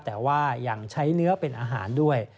แต่ว่ายังใช้เนื้อเป็นอาหารด้วย